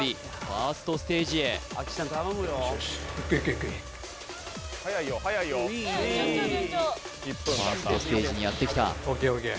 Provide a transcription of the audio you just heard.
ファーストステージにやってきたＯＫＯＫ